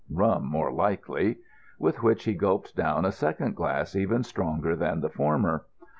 Rum more likely." With which he gulped down a second glass even stronger than the former.